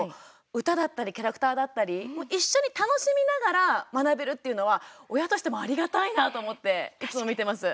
歌だったりキャラクターだったり一緒に楽しみながら学べるっていうのは親としてもありがたいなと思っていつも見てます。